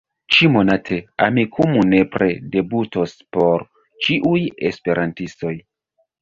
Ĉi-monate, Amikumu nepre debutos por ĉiuj esperantistoj.